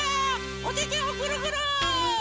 おててをぐるぐる！